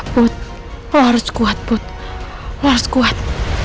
put lo harus kuat put lo harus kuat